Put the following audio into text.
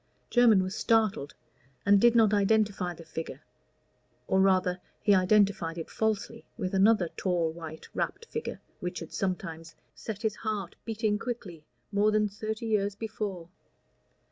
Jermyn was startled, and did not identify the figure, or rather he identified it falsely with another tall white wrapped figure which had sometimes set his heart beating quickly more than thirty years before.